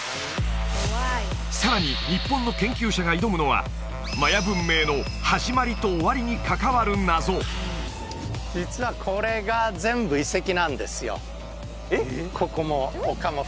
さらに日本の研究者が挑むのはマヤ文明のはじまりと終わりに関わる謎実はえっ？